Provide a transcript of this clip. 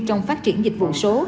trong phát triển dịch vụ số